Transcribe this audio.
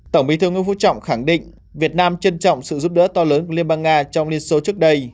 tổng bí thư nguyễn phú trọng khẳng định việt nam trân trọng sự giúp đỡ to lớn của liên bang nga trong liên xô trước đây